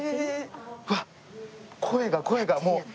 あっ声が声がもう。